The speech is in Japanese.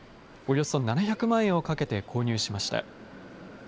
およそ７００万円をかけて購入しました。